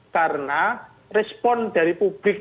karena respon dari publik